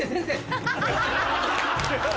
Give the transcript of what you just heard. ハハハ！